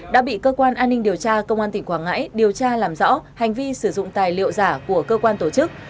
đã bị cơ quan an ninh điều tra công an tỉnh quảng ngãi điều tra làm rõ hành vi sử dụng tài liệu giả của cơ quan tổ chức